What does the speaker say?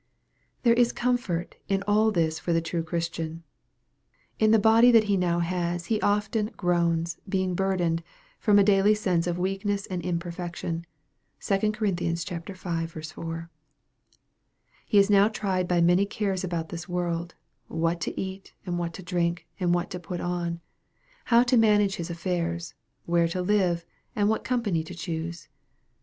There is comfort in all this for the true Christian. In the body that he now has he often " groans, being burdened," from a daily sense of weakness and imperfection. (2 Cor. v. 4.) He is now tried by many cares about this world what to eat, and what to drink, and what to put on how to manage his affairs, where to live, and what company to choose.